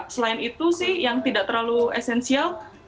selain itu sih yang tidak terlalu esensial